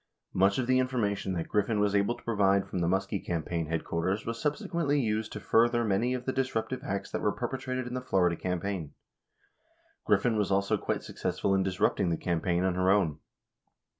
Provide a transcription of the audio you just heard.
Much of the information that Griffin was able to provide from the Muskie campaign headquarters was subsequently used to further many of the disruptive acts that were perpetrated in the Florida campaign. Griffin was also quite successful in disrupting the campaign on her own.